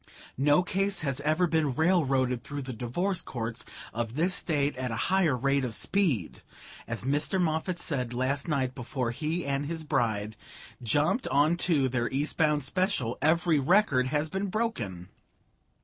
"'No case has ever been railroaded through the divorce courts of this State at a higher rate of speed: as Mr. Moffatt said last night, before he and his bride jumped onto their east bound special, every record has been broken.